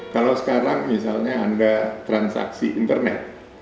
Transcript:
kalau sekarang misalnya anda transaksi internet